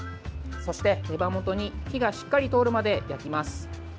そして、手羽元に火がしっかり通るまで焼きます。